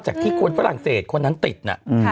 ที่คนฝรั่งเศสคนนั้นติดน่ะ